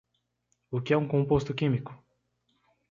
O que é um composto químico?